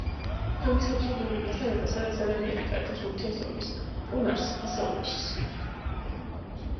ომის აბსურდული ვითარება, სადაც ადამიან კარგავს ურთიერთობის უნარს, ფასეულობებს.